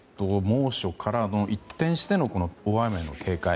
猛暑から一転しての大雨への警戒。